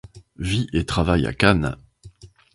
Vit et travaille à Cannes.